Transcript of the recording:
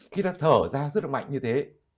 khi ta thở ra rất là mạnh như thế